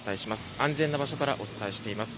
安全な場所からお伝えしています。